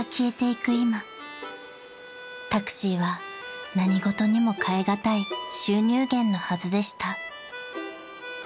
タクシーは何事にも代え難い収入源のはずでした］